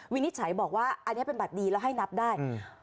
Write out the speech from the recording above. วินิจฉัยบอกว่าอันนี้เป็นบัตรดีแล้วให้นับได้